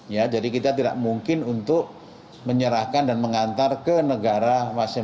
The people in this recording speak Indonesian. ya jadi kita tidak mungkin untuk menyerahkan dan mengantar ke negara masing masing